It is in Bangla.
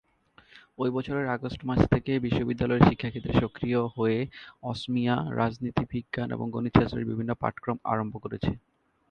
ঐ বছরের আগস্ট মাস থেকে বিশ্ববিদ্যালয়টি শিক্ষাক্ষেত্রে সক্রিয় হয়ে অসমীয়া, রাজনীতি বিজ্ঞান এবং গণিত শাস্ত্রের বিভিন্ন পাঠক্রম আরম্ভ করেছে।